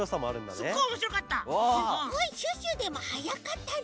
すっごいシュッシュでもはやかったね。